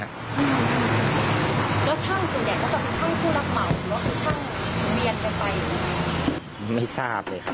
แล้วช่างส่วนใหญ่ก็คือช่างผู้รับเหมาหรือว่าคือช่างเมียนไปไป